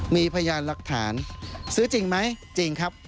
มีพยานหลักฐานซื้อจริงไหมจริงครับ